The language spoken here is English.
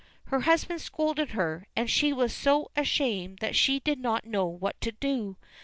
Her husband scolded her, and she was so ashamed that she did not know what to do.